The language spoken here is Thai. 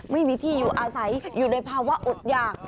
ไม่มีที่อยู่อาศัยอยู่ในภาวะอดหยาก